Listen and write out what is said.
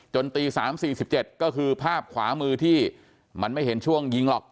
จนตีสามสี่สิบเจ็ดก็คือภาพขวามือที่มันไม่เห็นช่วงยิงหรอก